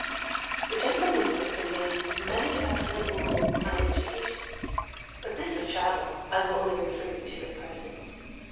The gentleman's book contains many excellent rules on education; but this of travel I will only refer you to at present.